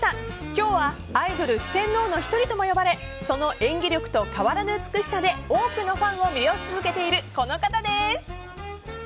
今日はアイドル四天王の１人とも呼ばれその演技力と変わらぬ美しさで多くのファンを魅了し続けているこの方です。